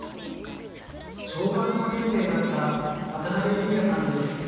小学５年生だった渡辺ゆり愛さんです。